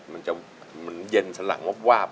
มันจะเย็นสลังวาบ